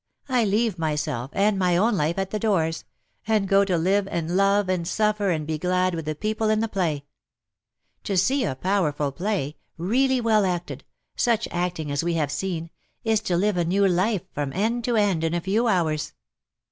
I leave myself, and my own life, at the doors — and go to live and love and suffer and be glad with the people in the play. To see a powerful play — really well acted — such acting as we have seen — is to live a new life from end to end in a few hours.